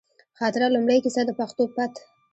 خاطره، لومړۍ کیسه ، د پښتو پت